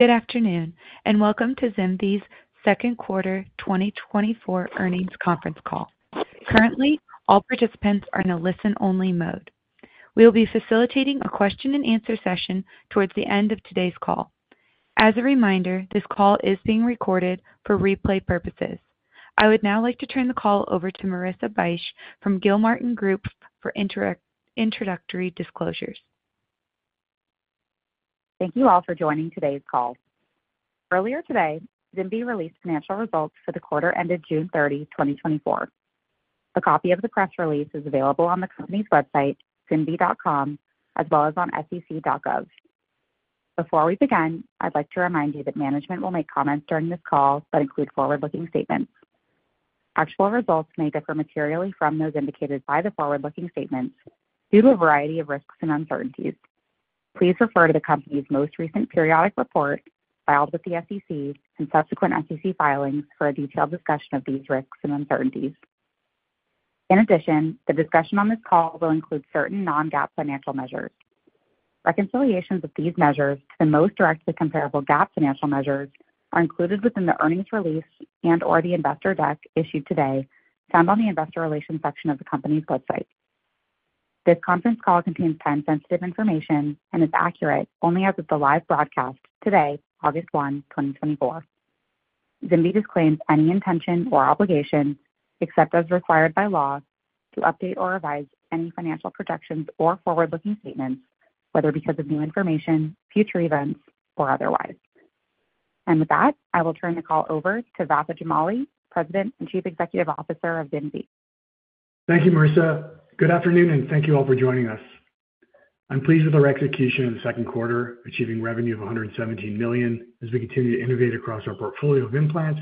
Good afternoon and welcome to ZimVie's second quarter 2024 earnings conference call. Currently, all participants are in a listen-only mode. We will be facilitating a question-and-answer session towards the end of today's call. As a reminder, this call is being recorded for replay purposes. I would now like to turn the call over to Marissa Bych from Gilmartin Group for introductory disclosures. Thank you all for joining today's call. Earlier today, ZimVie released financial results for the quarter ended June 30, 2024. A copy of the press release is available on the company's website, zimvie.com, as well as on SEC.gov. Before we begin, I'd like to remind you that management will make comments during this call that include forward-looking statements. Actual results may differ materially from those indicated by the forward-looking statements due to a variety of risks and uncertainties. Please refer to the company's most recent periodic report filed with the SEC and subsequent SEC filings for a detailed discussion of these risks and uncertainties. In addition, the discussion on this call will include certain non-GAAP financial measures. Reconciliations of these measures to the most directly comparable GAAP financial measures are included within the earnings release and/or the investor deck issued today found on the investor relations section of the company's website. This conference call contains time-sensitive information and is accurate only as of the live broadcast today, August 1, 2024. ZimVie disclaims any intention or obligation, except as required by law, to update or revise any financial projections or forward-looking statements, whether because of new information, future events, or otherwise. With that, I will turn the call over to Vafa Jamali, President and Chief Executive Officer of ZimVie. Thank you, Marissa. Good afternoon, and thank you all for joining us. I'm pleased with our execution in the second quarter, achieving revenue of $117 million as we continue to innovate across our portfolio of implants,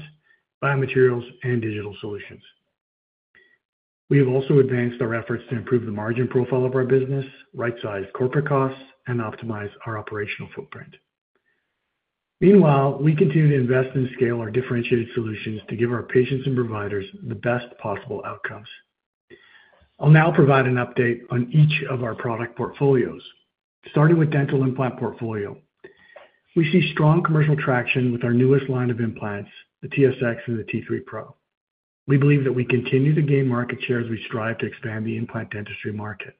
biomaterials, and digital solutions. We have also advanced our efforts to improve the margin profile of our business, right-size corporate costs, and optimize our operational footprint. Meanwhile, we continue to invest and scale our differentiated solutions to give our patients and providers the best possible outcomes. I'll now provide an update on each of our product portfolios. Starting with dental implant portfolio, we see strong commercial traction with our newest line of implants, the TSX and the T3 Pro. We believe that we continue to gain market share as we strive to expand the implant dentistry market.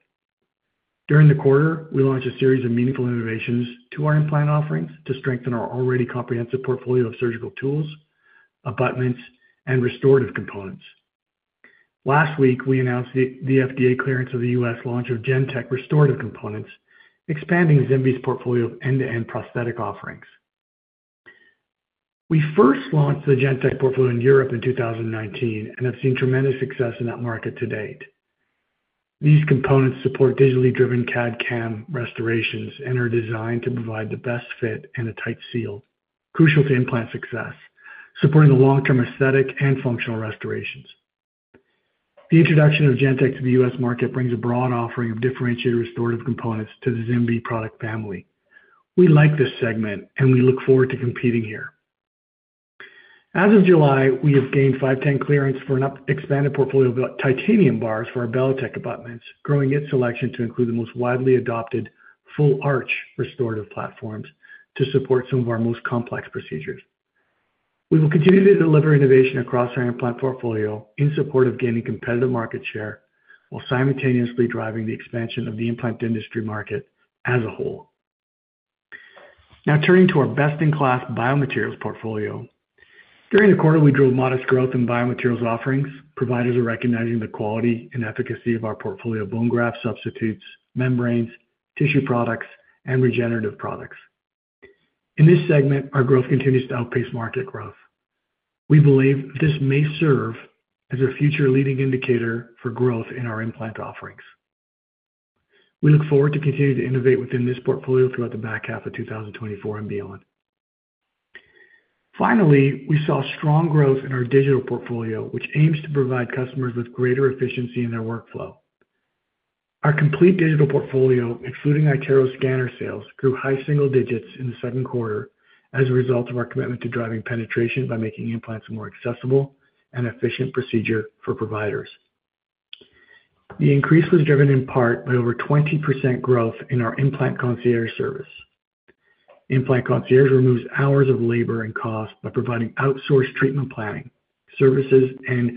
During the quarter, we launched a series of meaningful innovations to our implant offerings to strengthen our already comprehensive portfolio of surgical tools, abutments, and restorative components. Last week, we announced the FDA clearance of the U.S. launch of GenTek restorative components, expanding ZimVie's portfolio of end-to-end prosthetic offerings. We first launched the GenTek portfolio in Europe in 2019 and have seen tremendous success in that market to date. These components support digitally driven CAD/CAM restorations and are designed to provide the best fit and a tight seal, crucial to implant success, supporting the long-term aesthetic and functional restorations. The introduction of GenTek to the U.S. market brings a broad offering of differentiated restorative components to the ZimVie product family. We like this segment, and we look forward to competing here. As of July, we have gained 510 clearance for an expanded portfolio of titanium bars for our BellaTek abutments, growing its selection to include the most widely adopted full arch restorative platforms to support some of our most complex procedures. We will continue to deliver innovation across our implant portfolio in support of gaining competitive market share while simultaneously driving the expansion of the implant dentistry market as a whole. Now, turning to our best-in-class biomaterials portfolio. During the quarter, we drove modest growth in biomaterials offerings. Providers are recognizing the quality and efficacy of our portfolio of bone graft substitutes, membranes, tissue products, and regenerative products. In this segment, our growth continues to outpace market growth. We believe this may serve as a future leading indicator for growth in our implant offerings. We look forward to continuing to innovate within this portfolio throughout the back half of 2024 and beyond. Finally, we saw strong growth in our digital portfolio, which aims to provide customers with greater efficiency in their workflow. Our complete digital portfolio, including iTero scanner sales, grew high single digits in the second quarter as a result of our commitment to driving penetration by making implants a more accessible and efficient procedure for providers. The increase was driven in part by over 20% growth in our Implant Concierge service. Implant Concierge removes hours of labor and cost by providing outsourced treatment planning services and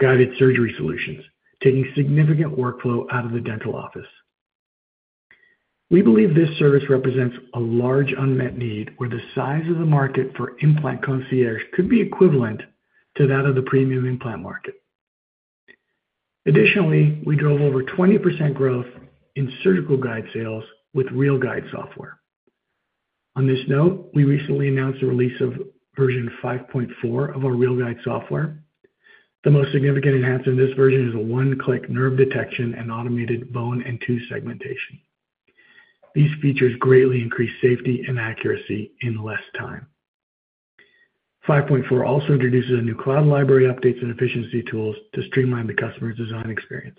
guided surgery solutions, taking significant workflow out of the dental office. We believe this service represents a large unmet need where the size of the market for Implant Concierge could be equivalent to that of the premium implant market. Additionally, we drove over 20% growth in surgical guide sales with RealGUIDE software. On this note, we recently announced the release of version 5.4 of our RealGUIDE software. The most significant enhancement in this version is a one-click nerve detection and automated bone and tooth segmentation. These features greatly increase safety and accuracy in less time. 5.4 also introduces a new cloud library of updates and efficiency tools to streamline the customer's design experience.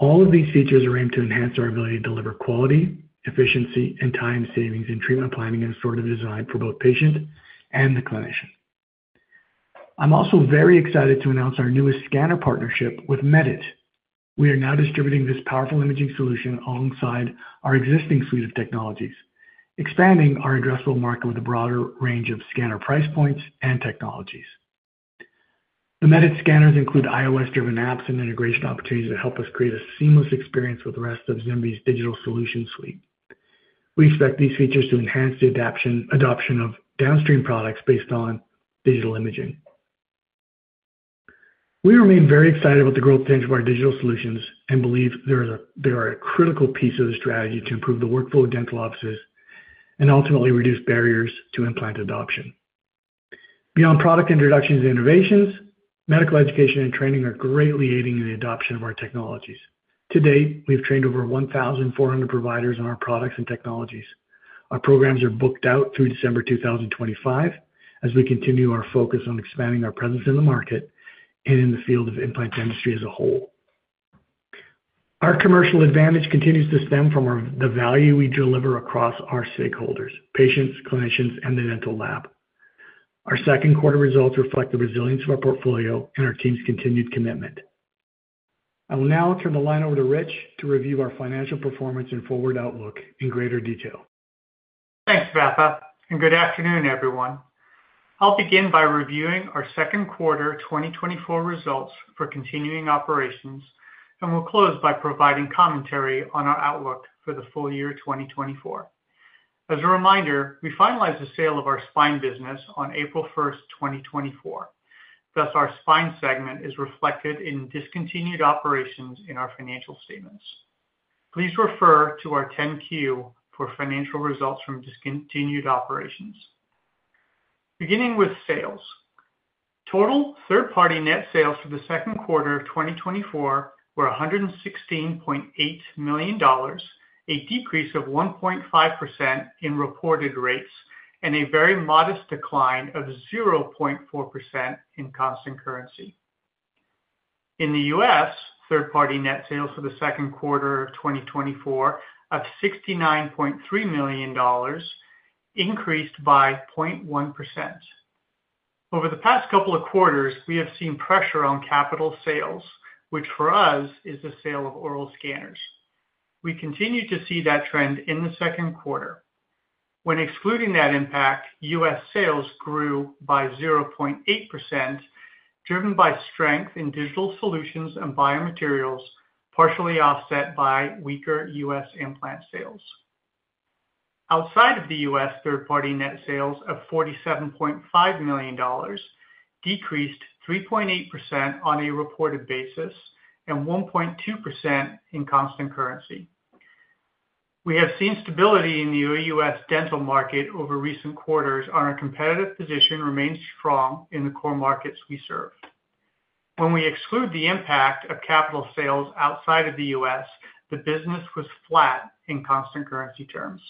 All of these features are aimed to enhance our ability to deliver quality, efficiency, and time savings in treatment planning and restorative design for both patients and the clinician. I'm also very excited to announce our newest scanner partnership with Medit. We are now distributing this powerful imaging solution alongside our existing suite of technologies, expanding our addressable market with a broader range of scanner price points and technologies. The Medit scanners include iOS-driven apps and integration opportunities that help us create a seamless experience with the rest of ZimVie's digital solution suite. We expect these features to enhance the adoption of downstream products based on digital imaging. We remain very excited about the growth potential of our digital solutions and believe there are critical pieces of the strategy to improve the workflow of dental offices and ultimately reduce barriers to implant adoption. Beyond product introductions and innovations, medical education and training are greatly aiding in the adoption of our technologies. To date, we have trained over 1,400 providers on our products and technologies. Our programs are booked out through December 2025 as we continue our focus on expanding our presence in the market and in the field of implant dentistry as a whole. Our commercial advantage continues to stem from the value we deliver across our stakeholders: patients, clinicians, and the dental lab. Our second quarter results reflect the resilience of our portfolio and our team's continued commitment. I will now turn the line over to Rich to review our financial performance and forward outlook in greater detail. Thanks, Vafa. Good afternoon, everyone. I'll begin by reviewing our second quarter 2024 results for continuing operations and will close by providing commentary on our outlook for the full year 2024. As a reminder, we finalized the sale of our spine business on April 1, 2024. Thus, our spine segment is reflected in discontinued operations in our financial statements. Please refer to our 10-Q for financial results from discontinued operations. Beginning with sales. Total third-party net sales for the second quarter of 2024 were $116.8 million, a decrease of 1.5% in reported rates, and a very modest decline of 0.4% in constant currency. In the U.S., third-party net sales for the second quarter of 2024 of $69.3 million, increased by 0.1%. Over the past couple of quarters, we have seen pressure on capital sales, which for us is the sale of oral scanners. We continue to see that trend in the second quarter. When excluding that impact, U.S. sales grew by 0.8%, driven by strength in digital solutions and biomaterials, partially offset by weaker U.S. implant sales. Outside of the U.S., third-party net sales of $47.5 million decreased 3.8% on a reported basis and 1.2% in constant currency. We have seen stability in the U.S. dental market over recent quarters, and our competitive position remains strong in the core markets we serve. When we exclude the impact of capital sales outside of the U.S., the business was flat in constant currency terms.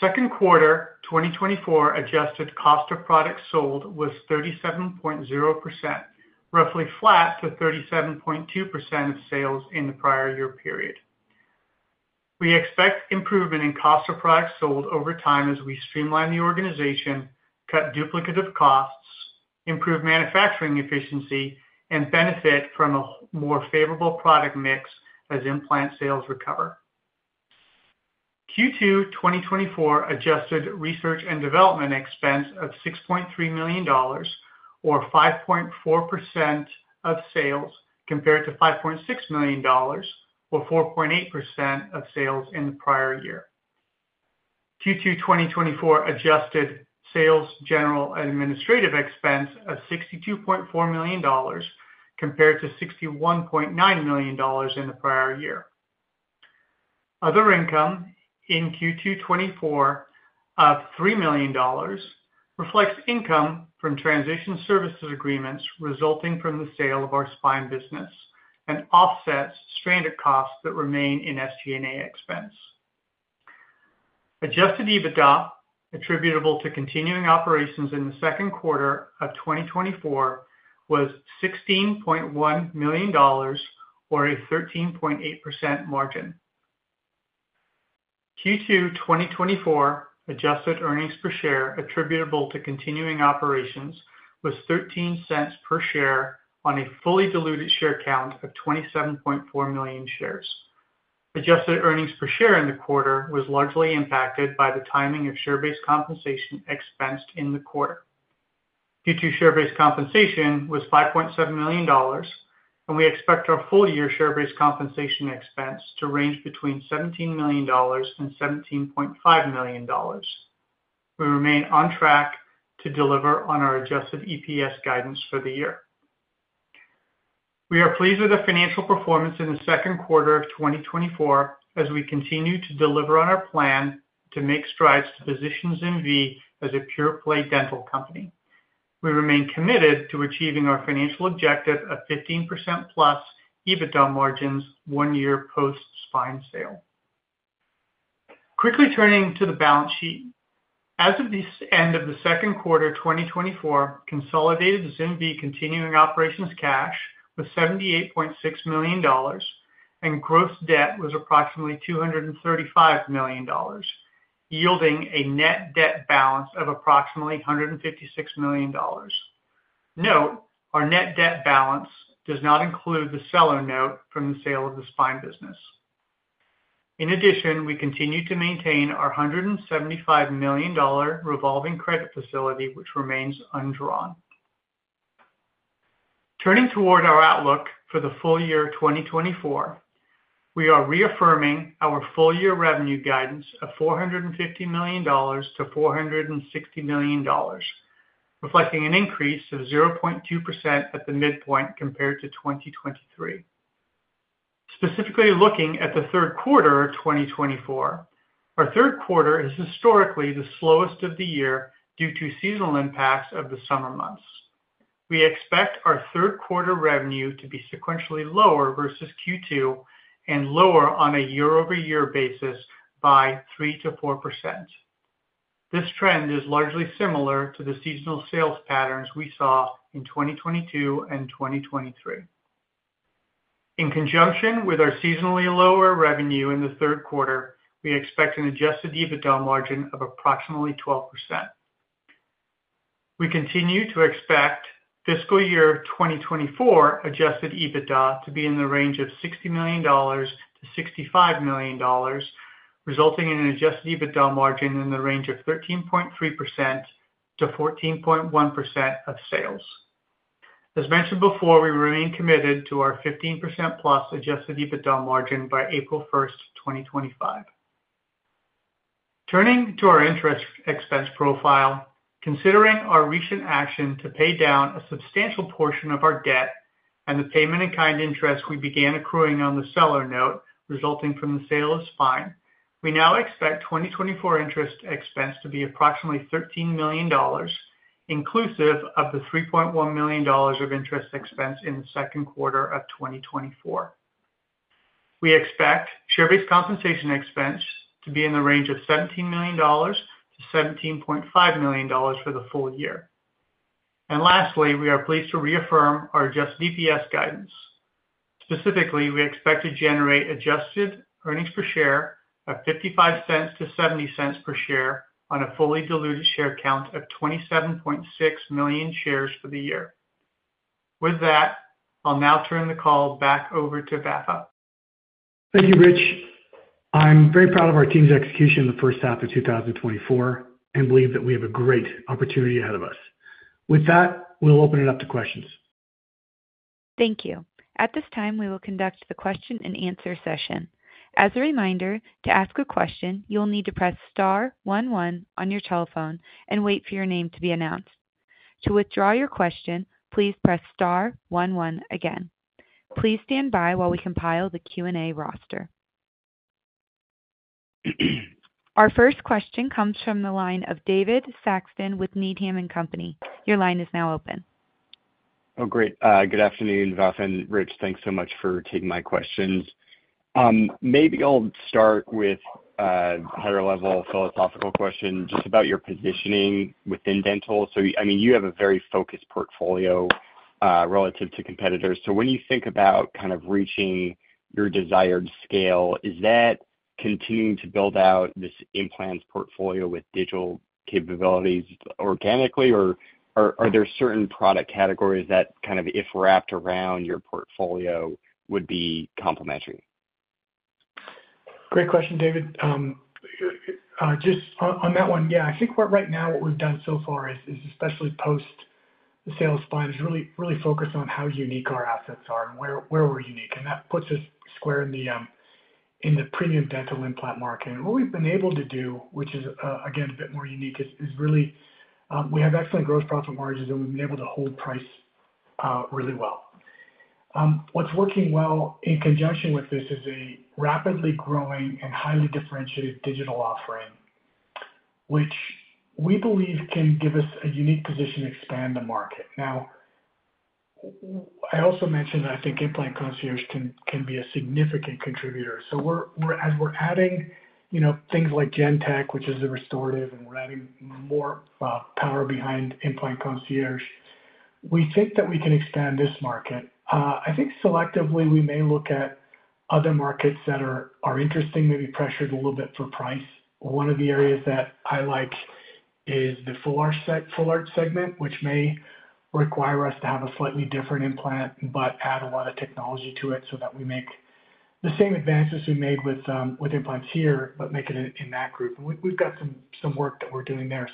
Second quarter 2024 adjusted cost of product sold was 37.0%, roughly flat to 37.2% of sales in the prior year period. We expect improvement in cost of product sold over time as we streamline the organization, cut duplicative costs, improve manufacturing efficiency, and benefit from a more favorable product mix as implant sales recover. Q2 2024 adjusted research and development expense of $6.3 million, or 5.4% of sales, compared to $5.6 million, or 4.8% of sales in the prior year. Q2 2024 adjusted sales general administrative expense of $62.4 million, compared to $61.9 million in the prior year. Other income in Q2 2024 of $3 million reflects income from transition services agreements resulting from the sale of our spine business and offsets stranded costs that remain in SG&A expense. Adjusted EBITDA attributable to continuing operations in the second quarter of 2024 was $16.1 million, or a 13.8% margin. Q2 2024 adjusted earnings per share attributable to continuing operations was $0.13 per share on a fully diluted share count of 27.4 million shares. Adjusted earnings per share in the quarter was largely impacted by the timing of share-based compensation expensed in the quarter. Q2 share-based compensation was $5.7 million, and we expect our full year share-based compensation expense to range between $17 million and $17.5 million. We remain on track to deliver on our adjusted EPS guidance for the year. We are pleased with the financial performance in the second quarter of 2024 as we continue to deliver on our plan to make strides to position ZimVie as a pure-play dental company. We remain committed to achieving our financial objective of 15% plus EBITDA margins one year post spine sale. Quickly turning to the balance sheet. As of the end of the second quarter 2024, consolidated ZimVie continuing operations cash was $78.6 million, and gross debt was approximately $235 million, yielding a net debt balance of approximately $156 million. Note, our net debt balance does not include the Seller Note from the sale of the spine business. In addition, we continue to maintain our $175 million revolving credit facility, which remains undrawn. Turning toward our outlook for the full year 2024, we are reaffirming our full year revenue guidance of $450 million-$460 million, reflecting an increase of 0.2% at the midpoint compared to 2023. Specifically looking at the third quarter of 2024, our third quarter is historically the slowest of the year due to seasonal impacts of the summer months. We expect our third quarter revenue to be sequentially lower versus Q2 and lower on a year-over-year basis by 3%-4%. This trend is largely similar to the seasonal sales patterns we saw in 2022 and 2023. In conjunction with our seasonally lower revenue in the third quarter, we expect an adjusted EBITDA margin of approximately 12%. We continue to expect fiscal year 2024 adjusted EBITDA to be in the range of $60 million-$65 million, resulting in an adjusted EBITDA margin in the range of 13.3%-14.1% of sales. As mentioned before, we remain committed to our 15%+ adjusted EBITDA margin by April 1, 2025. Turning to our interest expense profile, considering our recent action to pay down a substantial portion of our debt and the payment in kind interest we began accruing on the Seller Note resulting from the sale of spine, we now expect 2024 interest expense to be approximately $13 million, inclusive of the $3.1 million of interest expense in the second quarter of 2024. We expect share-based compensation expense to be in the range of $17 million-$17.5 million for the full year. And lastly, we are pleased to reaffirm our adjusted EPS guidance. Specifically, we expect to generate adjusted earnings per share of $0.55-$0.70 per share on a fully diluted share count of 27.6 million shares for the year. With that, I'll now turn the call back over to Vafa. Thank you, Rich. I'm very proud of our team's execution in the first half of 2024 and believe that we have a great opportunity ahead of us. With that, we'll open it up to questions. Thank you. At this time, we will conduct the question and answer session. As a reminder, to ask a question, you'll need to press star one one on your telephone and wait for your name to be announced. To withdraw your question, please press star one one again. Please stand by while we compile the Q&A roster. Our first question comes from the line of David Saxon with Needham & Company. Your line is now open. Oh, great. Good afternoon, Vafa and Rich. Thanks so much for taking my questions. Maybe I'll start with a higher-level philosophical question just about your positioning within dental. So, I mean, you have a very focused portfolio relative to competitors. So when you think about kind of reaching your desired scale, is that continuing to build out this implants portfolio with digital capabilities organically, or are there certain product categories that kind of, if wrapped around your portfolio, would be complementary? Great question, David. Just on that one, yeah, I think right now what we've done so far is especially post-spine sale is really focused on how unique our assets are and where we're unique. That puts us square in the premium dental implant market. What we've been able to do, which is, again, a bit more unique, is really we have excellent gross profit margins and we've been able to hold price really well. What's working well in conjunction with this is a rapidly growing and highly differentiated digital offering, which we believe can give us a unique position to expand the market. Now, I also mentioned that I think Implant Concierge can be a significant contributor. As we're adding things like GenTek, which is a restorative, and we're adding more power behind Implant Concierge, we think that we can expand this market. I think selectively we may look at other markets that are interesting, maybe pressured a little bit for price. One of the areas that I like is the full arch segment, which may require us to have a slightly different implant but add a lot of technology to it so that we make the same advances we made with implants here, but make it in that group. We've got some work that we're doing there.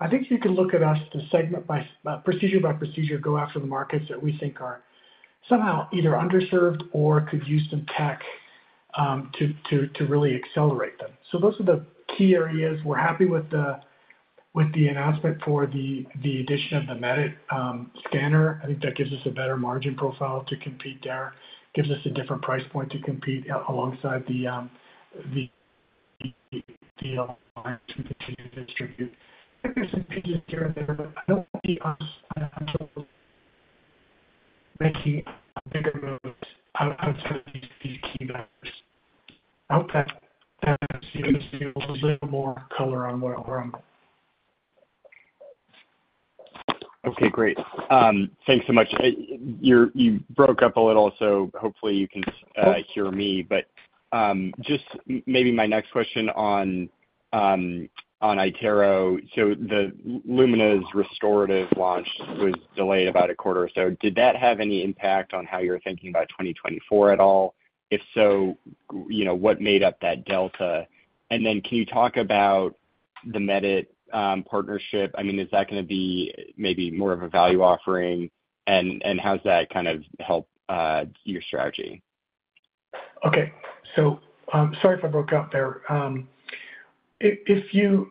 I think you can look at us to segment by procedure by procedure, go after the markets that we think are somehow either underserved or could use some tech to really accelerate them. Those are the key areas. We're happy with the announcement for the addition of the Medit scanner. I think that gives us a better margin profile to compete there, gives us a different price point to compete alongside the continued distribution. I think there's some changes here and there, but I don't see us actually making a bigger move outside of these key vendors. I hope that gives you a little more color on where I'm going. Okay, great. Thanks so much. You broke up a little, so hopefully you can hear me. But just maybe my next question on iTero. So the Lumina's restorative launch was delayed about a quarter or so. Did that have any impact on how you're thinking about 2024 at all? If so, what made up that delta? And then can you talk about the Medit partnership? I mean, is that going to be maybe more of a value offering? And how's that kind of help your strategy? Okay. So sorry if I broke up there. If you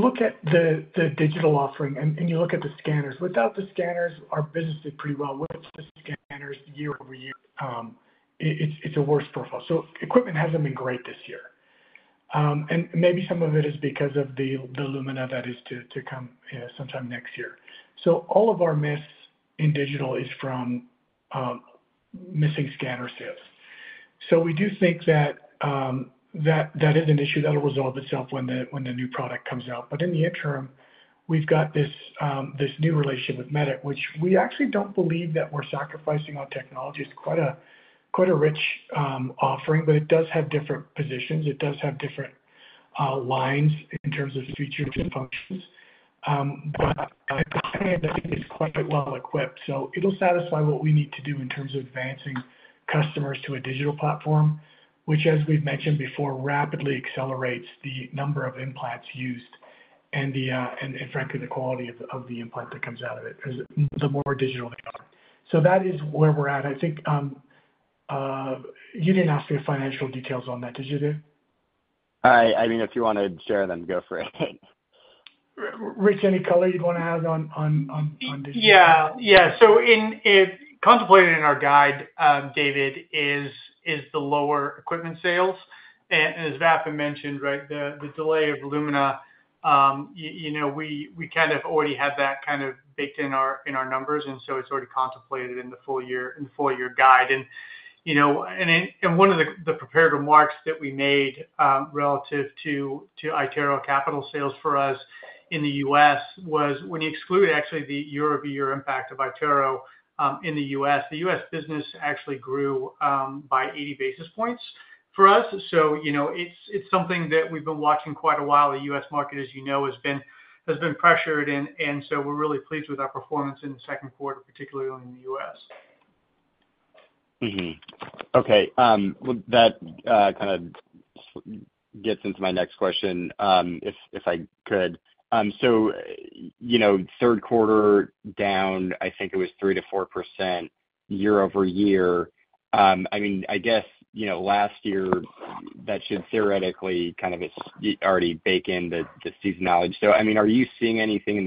look at the digital offering and you look at the scanners, without the scanners, our business did pretty well with the scanners year-over-year. It's a worse profile. So equipment hasn't been great this year. And maybe some of it is because of the Lumina that is to come sometime next year. So all of our miss in digital is from missing scanner sales. So we do think that that is an issue that will resolve itself when the new product comes out. But in the interim, we've got this new relationship with Medit, which we actually don't believe that we're sacrificing on technology. It's quite a rich offering, but it does have different positions. It does have different lines in terms of features and functions. But I think it's quite well equipped. So it'll satisfy what we need to do in terms of advancing customers to a digital platform, which, as we've mentioned before, rapidly accelerates the number of implants used and, frankly, the quality of the implant that comes out of it, the more digital they are. So that is where we're at. I think you didn't ask me financial details on that, did you, Dave? I mean, if you want to share them, go for it. Rich, any color you'd want to add on digital? Yeah. Yeah. So contemplated in our guide, David, is the lower equipment sales. And as Vafa mentioned, right, the delay of Lumina, we kind of already had that kind of baked in our numbers, and so it's already contemplated in the full year guide. And one of the prepared remarks that we made relative to iTero capital sales for us in the U.S. was when you exclude actually the year-over-year impact of iTero in the U.S., the US business actually grew by 80 basis points for us. So it's something that we've been watching quite a while. The U.S. market, as you know, has been pressured, and so we're really pleased with our performance in the second quarter, particularly in the U.S. Okay. Well, that kind of gets into my next question, if I could. So third quarter down, I think it was 3%-4% year-over-year. I mean, I guess last year, that should theoretically kind of already bake in the seasonality. So, I mean, are you seeing anything in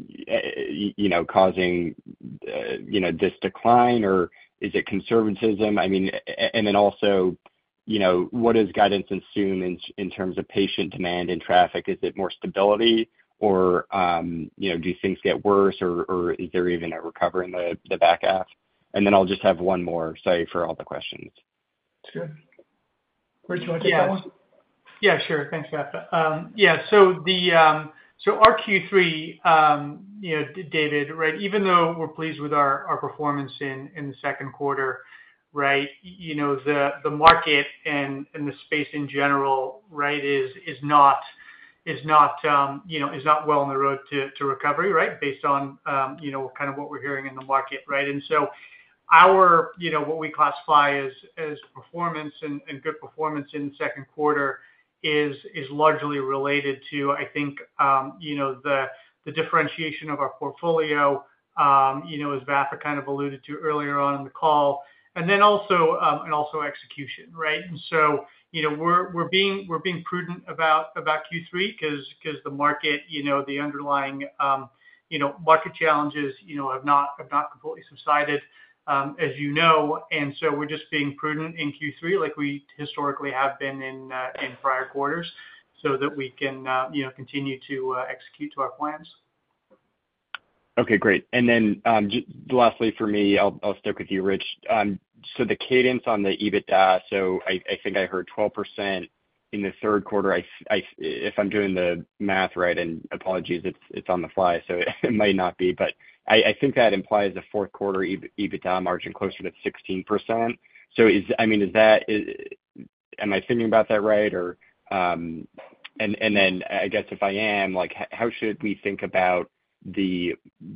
the market that's kind of causing this decline, or is it conservatism? I mean, and then also, what does guidance assume in terms of patient demand and traffic? Is it more stability, or do things get worse, or is there even a recovery in the back half? And then I'll just have one more side for all the questions. Sure. Rich, do you want to take that one? Yeah, sure. Thanks, Vafa. Yeah. So our Q3, David, right, even though we're pleased with our performance in the second quarter, right, the market and the space in general, right, is not well on the road to recovery, right, based on kind of what we're hearing in the market, right? And so what we classify as performance and good performance in the second quarter is largely related to, I think, the differentiation of our portfolio, as Vafa kind of alluded to earlier on in the call, and also execution, right? And so we're being prudent about Q3 because the market, the underlying market challenges have not completely subsided, as you know. And so we're just being prudent in Q3 like we historically have been in prior quarters so that we can continue to execute to our plans. Okay, great. And then lastly for me, I'll stick with you, Rich. So the cadence on the EBITDA, so I think I heard 12% in the third quarter. If I'm doing the math right, and apologies, it's on the fly, so it might not be, but I think that implies a fourth quarter EBITDA margin closer to 16%. So, I mean, am I thinking about that right? And then I guess if I am, how should we think about the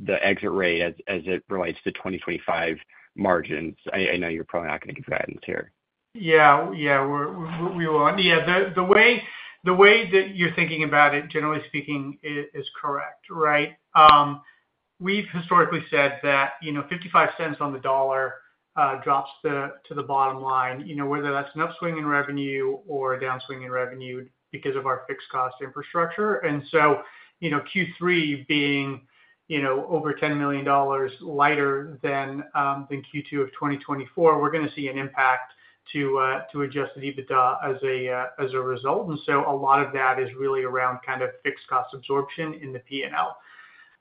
exit rate as it relates to 2025 margins? I know you're probably not going to give guidance here. Yeah. Yeah, we will. And yeah, the way that you're thinking about it, generally speaking, is correct, right? We've historically said that $0.55 on the dollar drops to the bottom line, whether that's an upswing in revenue or a downswing in revenue because of our fixed cost infrastructure. And so Q3 being over $10 million lighter than Q2 of 2024, we're going to see an impact to adjust the EBITDA as a result. And so a lot of that is really around kind of fixed cost absorption in the P&L.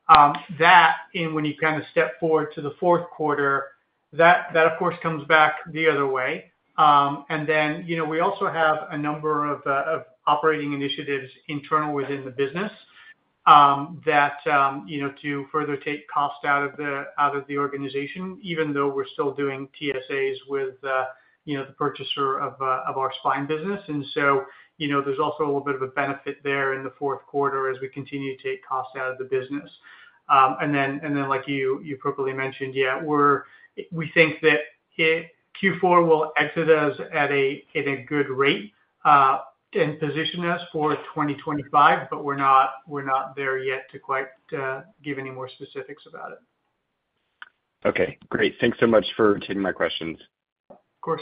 That, and when you kind of step forward to the fourth quarter, that, of course, comes back the other way. And then we also have a number of operating initiatives internal within the business that do further take cost out of the organization, even though we're still doing TSAs with the purchaser of our spine business. And so there's also a little bit of a benefit there in the fourth quarter as we continue to take cost out of the business. And then, like you appropriately mentioned, yeah, we think that Q4 will exit us at a good rate and position us for 2025, but we're not there yet to quite give any more specifics about it. Okay. Great. Thanks so much for taking my questions. Of course.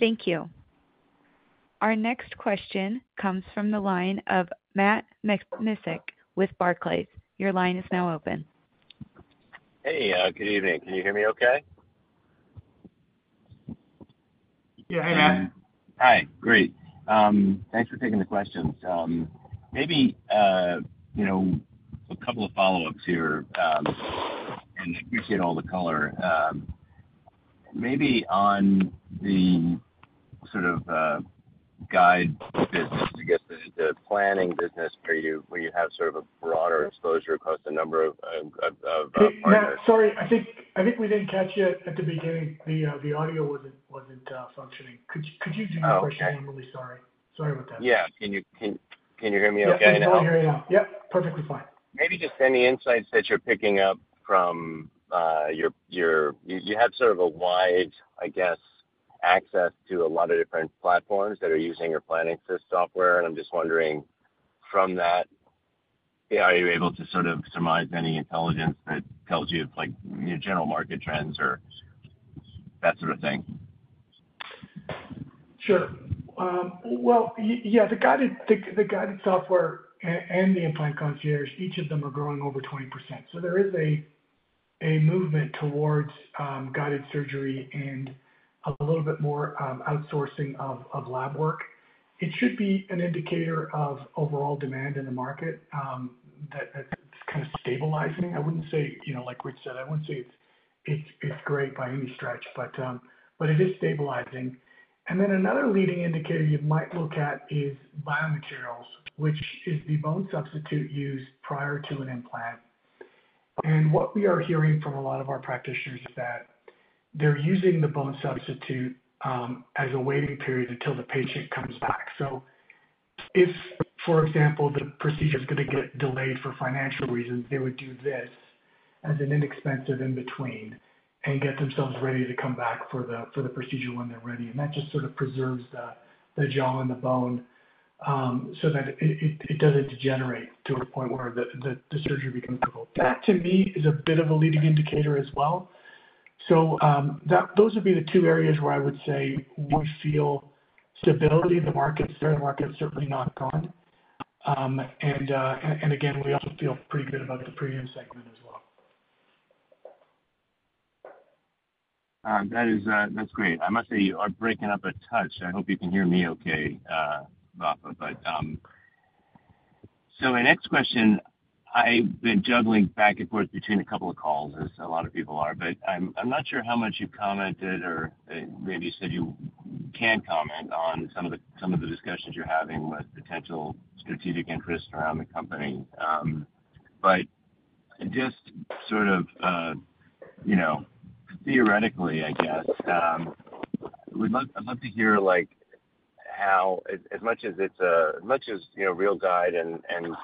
Thank you. Our next question comes from the line of Matt Miksic with Barclays. Your line is now open. Hey, good evening. Can you hear me okay? Yeah. Hey, Matt. Hi. Great. Thanks for taking the questions. Maybe a couple of follow-ups here, and I appreciate all the color. Maybe on the sort of guide business, I guess, the planning business where you have sort of a broader exposure across a number of partners. No, sorry. I think we didn't catch you at the beginning. The audio wasn't functioning. Could you do your question? I'm really sorry. Sorry about that. Yeah. Can you hear me okay now? Yeah. I can hear you now. Yep. Perfectly fine. Maybe just any insights that you're picking up from your, you have sort of a wide, I guess, access to a lot of different platforms that are using your planning system software. I'm just wondering from that, are you able to sort of surmise any intelligence that tells you general market trends or that sort of thing? Sure. Well, yeah, the guided software and the Implant Concierge, each of them are growing over 20%. So there is a movement towards guided surgery and a little bit more outsourcing of lab work. It should be an indicator of overall demand in the market that's kind of stabilizing. I wouldn't say, like Rich said, I wouldn't say it's great by any stretch, but it is stabilizing. And then another leading indicator you might look at is biomaterials, which is the bone substitute used prior to an implant. And what we are hearing from a lot of our practitioners is that they're using the bone substitute as a waiting period until the patient comes back. So if, for example, the procedure is going to get delayed for financial reasons, they would do this as an inexpensive in-between and get themselves ready to come back for the procedure when they're ready. That just sort of preserves the jaw and the bone so that it doesn't degenerate to a point where the surgery becomes difficult. That, to me, is a bit of a leading indicator as well. Those would be the two areas where I would say we feel stability. The market's certainly not gone. And again, we also feel pretty good about the premium segment as well. That's great. I must say you are breaking up a touch. I hope you can hear me okay, Vafa. But so my next question, I've been juggling back and forth between a couple of calls, as a lot of people are, but I'm not sure how much you've commented or maybe said you can comment on some of the discussions you're having with potential strategic interests around the company. But just sort of theoretically, I guess, I'd love to hear how, as much as RealGUIDE and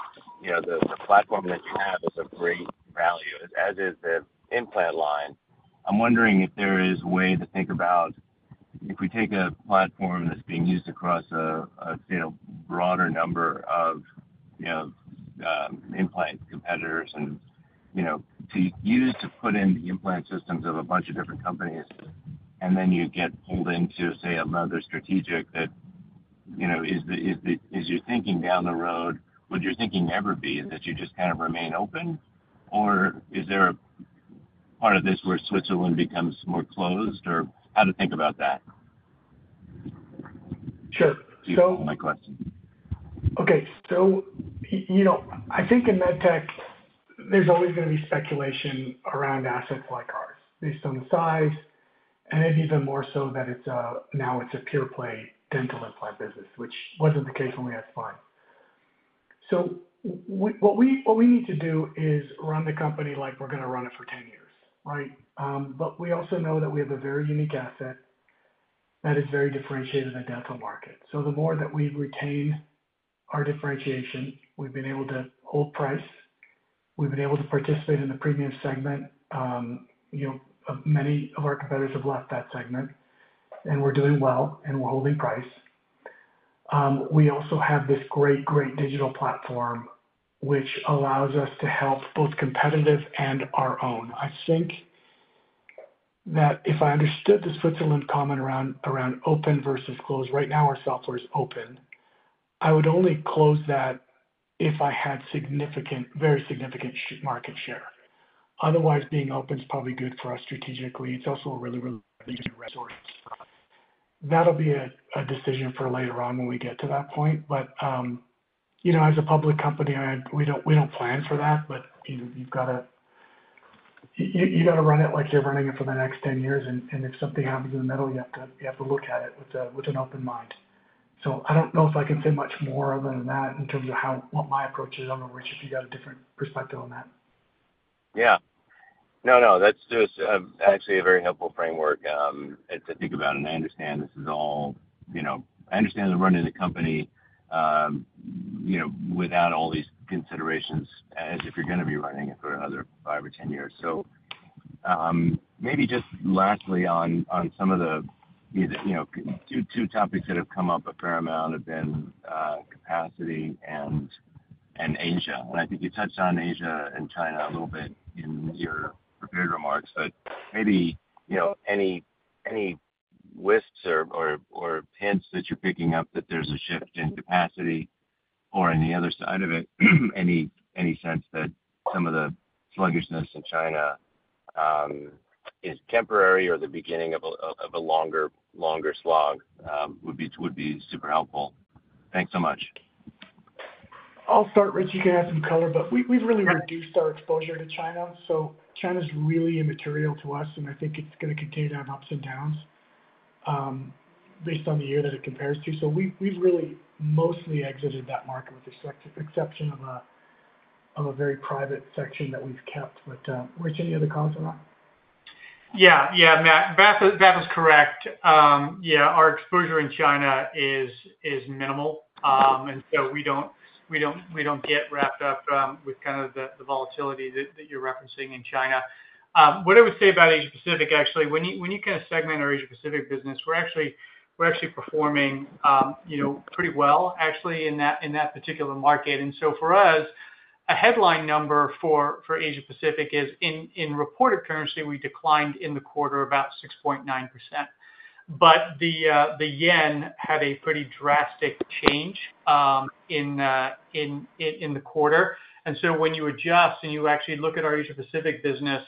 the platform that you have is of great value, as is the implant line, I'm wondering if there is a way to think about if we take a platform that's being used across a broader number of implant competitors and use to put in the implant systems of a bunch of different companies, and then you get pulled into, say, another strategic that is your thinking down the road. Would your thinking ever be that you just kind of remain open? Or is there a part of this where Switzerland becomes more closed? Or how to think about that? Sure. So. To answer my question. Okay. So I think in med tech, there's always going to be speculation around assets like ours based on the size, and maybe even more so that now it's a pure-play dental implant business, which wasn't the case when we had spine. So what we need to do is run the company like we're going to run it for 10 years, right? But we also know that we have a very unique asset that is very differentiated in the dental market. So the more that we retain our differentiation, we've been able to hold price. We've been able to participate in the premium segment. Many of our competitors have left that segment, and we're doing well, and we're holding price. We also have this great, great digital platform, which allows us to help both competitive and our own. I think that if I understood the Switzerland comment around open versus closed, right now our software is open. I would only close that if I had significant, very significant market share. Otherwise, being open is probably good for us strategically. It's also a really, really good resource. That'll be a decision for later on when we get to that point. But as a public company, we don't plan for that, but you've got to run it like you're running it for the next 10 years. And if something happens in the middle, you have to look at it with an open mind. So I don't know if I can say much more other than that in terms of what my approach is. I don't know, Rich, if you've got a different perspective on that. Yeah. No, no. That's actually a very helpful framework to think about. And I understand running the company without all these considerations as if you're going to be running it for another 5 or 10 years. So maybe just lastly on some of the two topics that have come up a fair amount have been capacity and Asia. And I think you touched on Asia and China a little bit in your prepared remarks, but maybe any whispers or hints that you're picking up that there's a shift in capacity or on the other side of it, any sense that some of the sluggishness in China is temporary or the beginning of a longer slog would be super helpful. Thanks so much. I'll start, Rich. You can add some color, but we've really reduced our exposure to China. So China is really immaterial to us, and I think it's going to continue to have ups and downs based on the year that it compares to. So we've really mostly exited that market with the exception of a very private section that we've kept. But Rich, any other comments on that? Yeah. Yeah. Matt, Vafa's correct. Yeah. Our exposure in China is minimal. And so we don't get wrapped up with kind of the volatility that you're referencing in China. What I would say about Asia-Pacific, actually, when you kind of segment our Asia-Pacific business, we're actually performing pretty well, actually, in that particular market. And so for us, a headline number for Asia-Pacific is in reported currency, we declined in the quarter about 6.9%. But the yen had a pretty drastic change in the quarter. And so when you adjust and you actually look at our Asia-Pacific business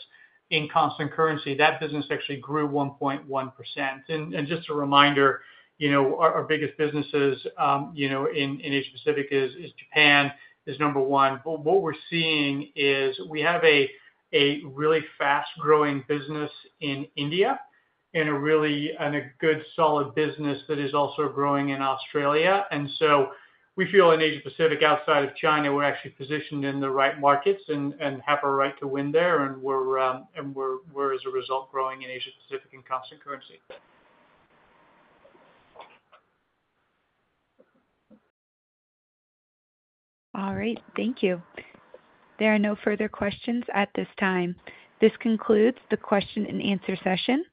in constant currency, that business actually grew 1.1%. And just a reminder, our biggest businesses in Asia-Pacific is Japan, is number one. But what we're seeing is we have a really fast-growing business in India and a good solid business that is also growing in Australia. And so we feel in Asia-Pacific, outside of China, we're actually positioned in the right markets and have a right to win there. And we're, as a result, growing in Asia-Pacific in constant currency. All right. Thank you. There are no further questions at this time. This concludes the question and answer session.